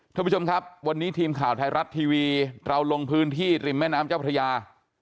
ท่านผู้ชมครับวันนี้ทีมข่าวไทยรัฐทีวีเราลงพื้นที่ริมแม่น้ำเจ้าพระยา